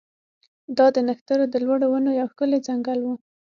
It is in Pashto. دا د نښترو د لوړو ونو یو ښکلی ځنګل و